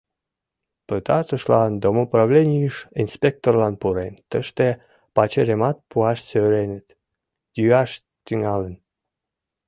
Пытартышлан домоуправленийыш инспекторлан пурен, тыште пачерымат пуаш сӧреныт — йӱаш тӱҥалын.